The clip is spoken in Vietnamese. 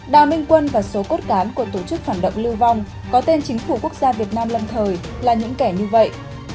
đào minh quân và số cốt cán của tổ chức phản động lưu vong có tên chính phủ quốc gia việt nam lâm thời là những kẻ như vậy